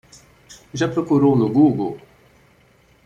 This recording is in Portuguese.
Já procurou no Google?